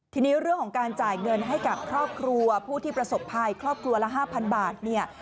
ทีนี้เรื่องของการจ่ายเงินให้กับครอบครัวผู้ที่ประสบภัยครอบครัวละ๕๐๐บาทเนี่ย